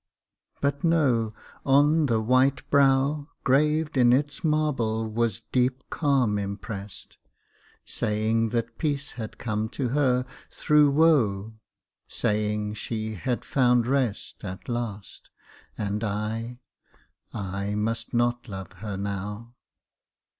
But no, on the white brow, Graved in its marble, was deep calm impressed, Saying that peace had come to her through woe; Saying, she had found rest At last, and I, I must not love her now.